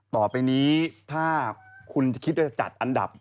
ต่อไปนี้ถ้าคุณจะคิดว่าจะจัดอันดับ